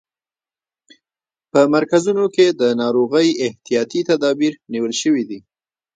په مرکزونو کې د ناروغۍ احتیاطي تدابیر نیول شوي دي.